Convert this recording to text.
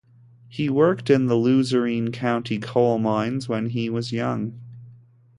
He worked in the Luzerne County coal mines when he was young.